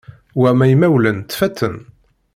Wamma imawlan ttfaten.